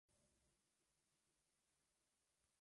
La pesca es abundante en la zona.